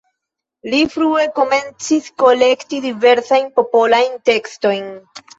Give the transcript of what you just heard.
Li frue komencis kolekti diversajn popolajn tekstojn.